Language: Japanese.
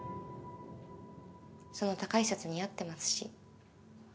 その高いシャツ似合ってますし。